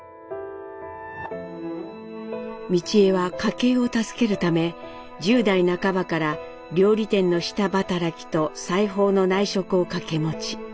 美智榮は家計を助けるため１０代半ばから料理店の下働きと裁縫の内職を掛け持ち。